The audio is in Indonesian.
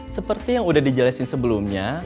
seperti yang udah dijelasin sebelumnya